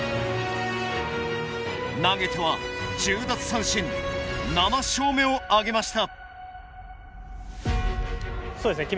投げては１０奪三振７勝目をあげました。